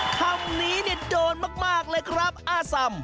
คำนี้โดนมากเลยครับอาสัม